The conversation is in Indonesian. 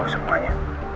papa udah tau semuanya